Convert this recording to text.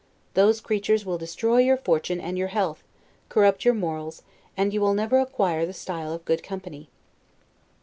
Those creatures will destroy your fortune and your health, corrupt your morals, and you will never acquire the style of good company.